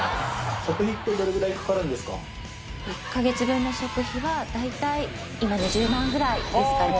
１カ月分の食費は大体今２０万ぐらいですかね。